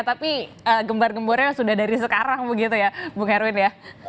tapi gembar gembornya sudah dari sekarang begitu ya bung erwin ya